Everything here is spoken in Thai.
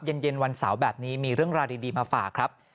เย็นวันเสาร์แบบนี้มีเรื่องราวดีมาฝากครับ